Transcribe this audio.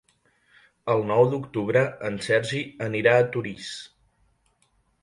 El nou d'octubre en Sergi anirà a Torís.